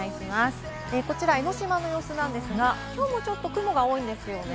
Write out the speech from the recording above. こちら江の島の様子なんですが、きょうはちょっと雲が多いんですよね。